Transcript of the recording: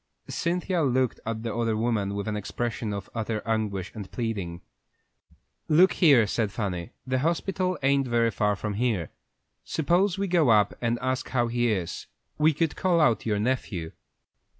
Cynthia looked at the other woman with an expression of utter anguish and pleading. "Look here," said Fanny; "the hospital ain't very far from here. Suppose we go up there and ask how he is? We could call out your nephew."